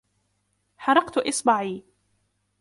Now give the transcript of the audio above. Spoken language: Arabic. حرقت اصبعي.